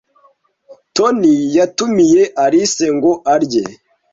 Toni yatumiye Alice ngo arye.